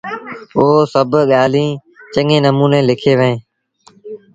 اوٚ سڀ ڳآليٚنٚ چڱي نموٚني لکيݩ وهينٚ